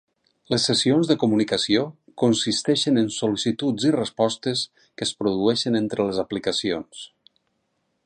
Les sessions de comunicació consisteixen en sol·licituds i respostes que es produeixen entre les aplicacions.